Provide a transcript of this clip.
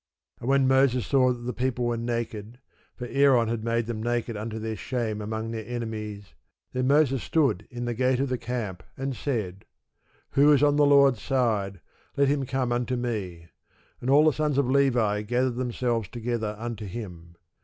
And when Moses saw that the people were naked; (for Aaron had made them naked unto their shame among their enemies:) Then Moses stood in the gate of the camp, and said, Who is on the Lord's side? let him come unto me. And all the sons of Levi gathered themselves together unto him.